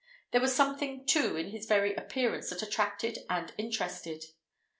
There was something, too, in his very appearance that attracted and interested.